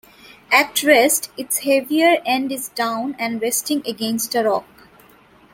At rest, its heavier end is down and resting against a rock.